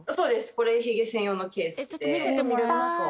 これヒゲ専用のケースでちょっと見せてもらえますか？